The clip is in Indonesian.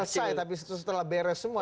selesai tapi setelah beres semua